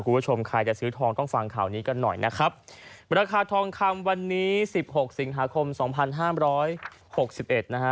คุณผู้ชมใครจะซื้อทองต้องฟังข่าวนี้กันหน่อยนะครับราคาทองคำวันนี้สิบหกสิงหาคมสองพันห้ามร้อยหกสิบเอ็ดนะฮะ